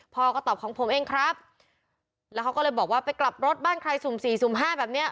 พ่อก็ตอบของผมเองครับแล้วเขาก็เลยบอกว่าไปกลับรถบ้านใครสุ่มสี่สุ่มห้าแบบเนี้ย